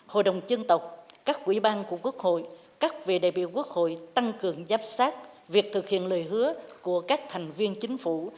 hội đồng dân tộc các quỹ ban của quốc hội các vị đại biểu quốc hội tăng cường giám sát việc thực hiện lời hứa của các thành viên chính phủ